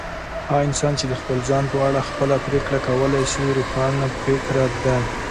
هغه انسان چي د خپل ځان په اړه خپله پرېکړه کولای سي، روښانفکره دی.